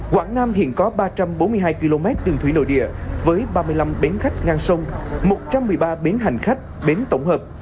quảng nam hiện có ba trăm bốn mươi hai km đường thủy nội địa với ba mươi năm bến khách ngang sông một trăm một mươi ba bến hành khách bến tổng hợp